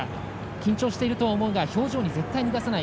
緊張していると思うが表情に決して出さない。